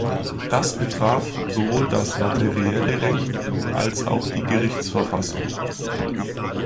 Das betraf sowohl das materielle Recht als auch die Gerichtsverfassung.